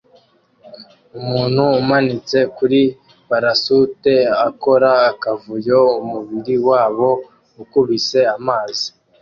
Umuntu umanitse kuri parasute akora akavuyo umubiri wabo ukubise amazi